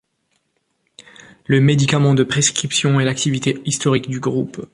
Le médicament de prescription est l’activité historique du groupe.